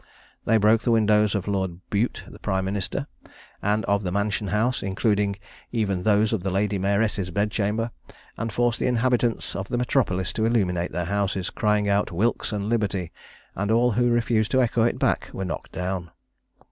They broke the windows of Lord Bute, the prime minister, and of the Mansion House, including even those of the lady mayoress's bedchamber, and forced the inhabitants of the metropolis to illuminate their houses, crying out "Wilkes and liberty!" and all who refused to echo it back were knocked down.